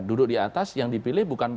duduk di atas yang dipilih bukan